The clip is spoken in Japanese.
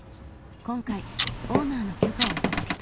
今回オーナーの許可を頂けた。